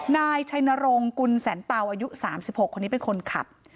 นายชัยนรงค์กุลแสนเตาอายุ๓๖คนนี้เป็นคนขับ